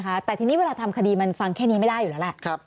แต่ทีนี้เวลาทำคดีมันฟังแค่นี้ไม่ได้อยู่แล้วแหละ